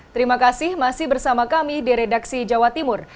terima kasih masih bersama kami di redaksi jawa timur